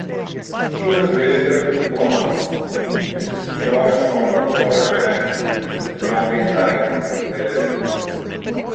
She was raised by two aunts, Mrs. George Farquhar and Mrs. Mordecai Wetherill.